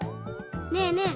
ねえねえ。